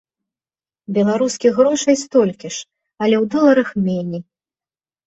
Беларускіх грошай столькі ж, але у доларах меней.